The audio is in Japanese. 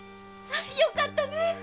よかったね。